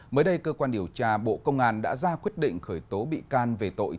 mới đây cơ quan điều tra bộ công an đã ra quyết định khởi tố bị can về tội